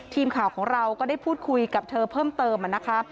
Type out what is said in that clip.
ทีมข่าวของเราก็ได้พูดคุยกับเธอเพิ่มเติมนะคะ